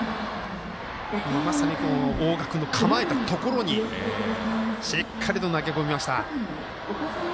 まさに大賀君の構えたところにしっかりと投げ込みました。